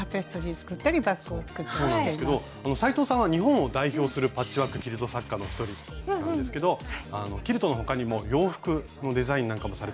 斉藤さんは日本を代表するパッチワーク・キルト作家の一人なんですけどキルトの他にも洋服のデザインなんかもされていて好評だという。